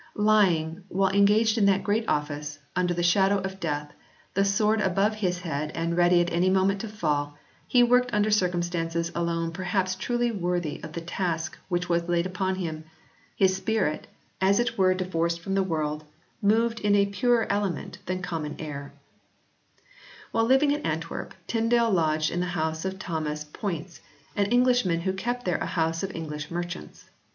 Lying, while engaged in that great office, under the shadow of death, the sword above his head and ready at any moment to fall, he worked under circumstances alone perhaps truly worthy of the task which was laid upon him his spirit, as it were divorced from the world, moved in a purer element than common air/ While living at Antwerp Tyndale lodged in the house of Thomas Poyntz, an Englishman who kept there a house of English merchants.